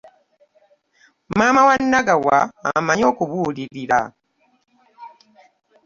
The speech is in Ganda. Maama wa Nagawa amanyi okubuulirira.